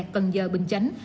cần giờ bình chánh